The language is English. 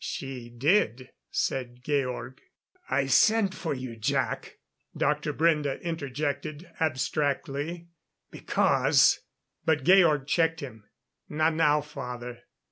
"She did," said Georg. "I sent for you, Jac," Dr. Brende interjected abstractedly, "because " But Georg checked him. "Not now, father.